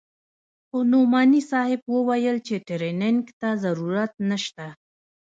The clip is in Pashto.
خو نعماني صاحب وويل چې ټرېننگ ته ضرورت نسته.